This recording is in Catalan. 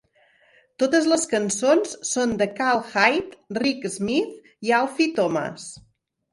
Totes les cançons són de Karl Hyde, Rick Smith i Alfie Thomas.